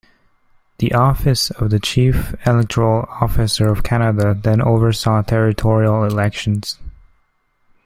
The Office of the Chief Electoral Officer of Canada then oversaw territorial elections.